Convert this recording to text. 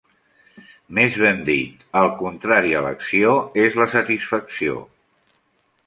Més ben dit, el contrari a l'acció és la satisfacció.